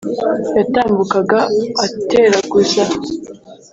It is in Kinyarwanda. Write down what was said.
yatambukaga ateraguza,